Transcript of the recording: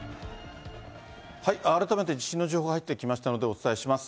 改めて地震の情報が入ってきましたので、お伝えします。